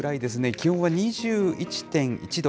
気温は２１．１度。